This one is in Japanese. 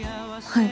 はい。